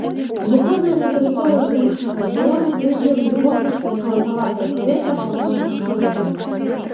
У выходныя на тэрыторыю сталічнага рэгіёну прыйдзе вільготнае і халаднаватае паветра паўночных шыротаў.